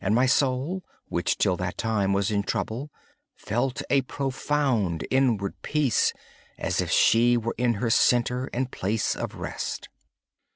My soul, which, until that time was in trouble, felt a profound inward peace, as if she were in her center and place of rest.